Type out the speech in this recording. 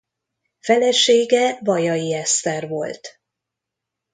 Felesége Vajai Eszter volt.